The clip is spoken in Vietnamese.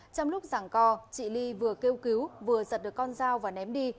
trong lúc giảng co chị ly vừa kêu cứu vừa giật được con dao và ném đi